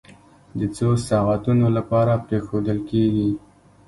د څو ساعتونو لپاره پرېښودل کېږي.